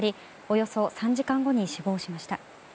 およそ３時間後に死亡しました。